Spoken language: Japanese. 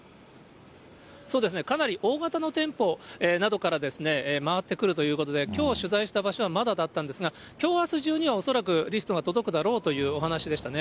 そうですね、かなり大型の店舗などから回ってくるということで、きょう取材した場所は、まだだったんですが、きょう、あす中には恐らくリストが届くだろうというお話でしたね。